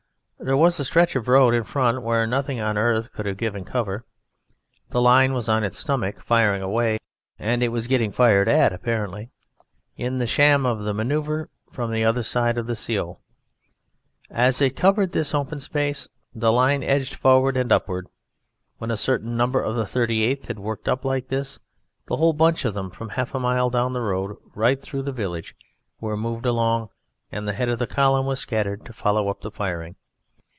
There was a stretch of road in front where nothing on earth could have given cover. The line was on its stomach, firing away, and it was getting fired at apparently, in the sham of the manoeuvre from the other side of the Sioule. As it covered this open space the line edged forward and upward. When a certain number of the 38th had worked up like this, the whole bunch of them, from half a mile down the road, right through the village, were moved along, and the head of the column was scattered to follow up the firing.